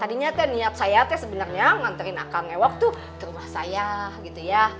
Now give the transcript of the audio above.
tadinya itu niat saya sebenarnya nganterin kak ngewok tuh ke rumah saya gitu ya